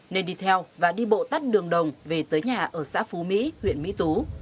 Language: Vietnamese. nên đi theo và đi bộ tắt đường đồng về tới nhà ở xã phú mỹ huyện mỹ tú